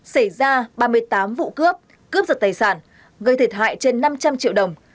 xảy ra ba mươi tám vụ cướp cướp giật tài sản gây thiệt hại trên năm trăm linh triệu đồng